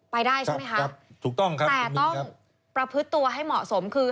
ไปได้ใช่ไหมคะแต่ต้องพระพฤติตัวให้เหมาะสมคือ